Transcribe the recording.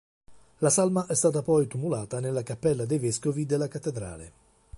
La salma è stata poi tumulata nella cappella dei vescovi della cattedrale.